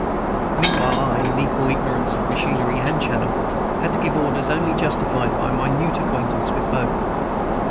Meanwhile I, in equal ignorance of machinery and channel, had to give orders only justified by minute acquaintance with both.